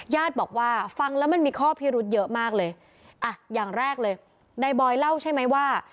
ญาติบอกว่าฟังแล้วมันมีข้อพิรุธเยอะมากเลยอ่ะอย่างแรกเลยนายบอยเล่าใช่ไหมว่า